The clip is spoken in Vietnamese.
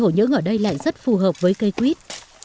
những ở đây lại rất phù hợp với cây quýt